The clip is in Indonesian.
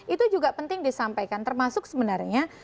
itu juga penting disampaikan termasuk sebenarnya